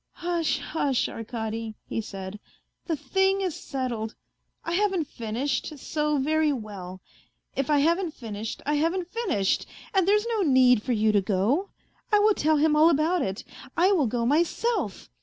" Hush, hush, Arkady," he said, " the thing is settled. I haven't finished, so very well; if I haven't finished, I haven't finished, and there's no need for you to go. I will tell him all about it, I will go myself.